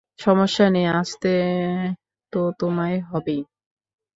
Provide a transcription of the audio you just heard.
সমস্যা নেই, আসতে তো তোমায় হবেই।